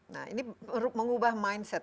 nah ini mengubah mindset